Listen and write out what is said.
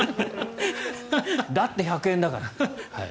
だって、１００円だから。